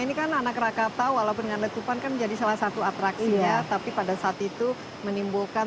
ini kan anak rakatau walaupun letupan kan jadi salah satu atraksi ya tapi pada saat itu menimbulkan